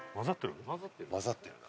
混ざってる？